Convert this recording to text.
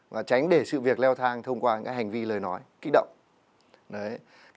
và tránh để sự việc leo thang thông qua những hành vi lời nói kích động